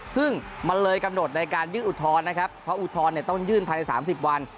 ซึ่งมันเลยกำหนดในการยื่นอุทธรณ์นะครับเพราะอุทธรณ์ต้องยื่นภายใน๓๐วัน